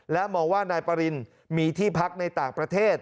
และมองว่านายปรินมีที่พักในต่างประเทศ